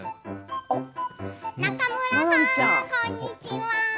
中村さんこんにちは！